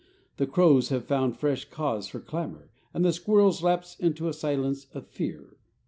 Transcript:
The crows have found fresh cause for clamor, and the squirrels lapse into a silence of fear.